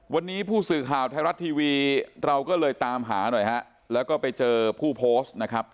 วันนี้ผู้สื่อข่าวไทยรัฐทีวีเราก็เลยตามหาหน่อยฮะแล้วก็ไปเจอผู้โพสต์นะครับ